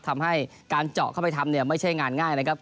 ทำให้การเจาะเข้าไปทำเนี่ยไม่ใช่งานง่ายนะครับ